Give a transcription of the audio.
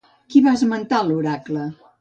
Qui va esmentar l'oracle?